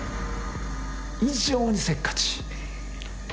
異常にせっかち。